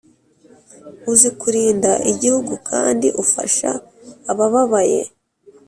uzi kurinda igihugu kandi ufasha abababaye.